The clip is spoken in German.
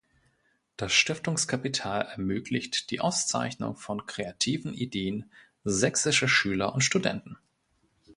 Das Stiftungskapital ermöglicht die Auszeichnung von kreativen Ideen sächsischer Schüler und Studenten.